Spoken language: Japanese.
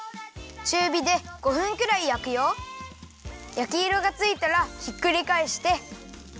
やきいろがついたらひっくりかえして。